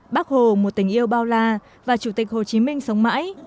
bác hồ một tình yêu bao la và chủ tịch hồ chí minh sống mãi